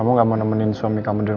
mau istirahat dulu